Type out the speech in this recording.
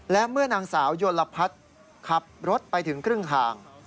และเมื่อนางสาวยลพัฒน์ขับรถไปถึงครึ่งทาง